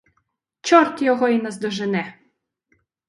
Чорт його й наздожене!